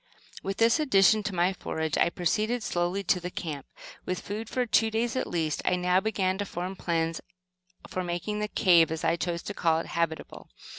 With this addition to my forage, I proceeded slowly to the camp. With food for two days at least, I now began to form plans for making the "cave," as I chose to call it, habitable.